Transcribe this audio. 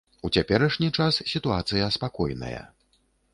У цяперашні час сітуацыя спакойная.